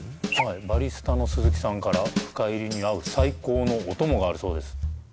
バリスタの鈴木さんから深煎りに合う最高のお供があるそうです